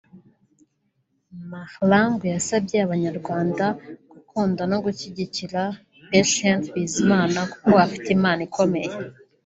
Mahlangu yasabye Abanyarwanda gukunda no gushyigikira Patient Bizimana kuko afite impano ikomeye